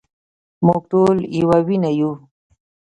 مونږ ټول يوه وينه يو